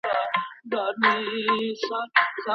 د محصلینو لیلیه په اسانۍ سره نه منظوریږي.